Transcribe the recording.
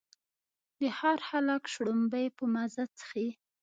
د ښار خلک شړومبې په مزه څښي.